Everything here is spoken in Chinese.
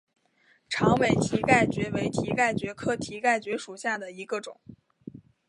长尾蹄盖蕨为蹄盖蕨科蹄盖蕨属下的一个种。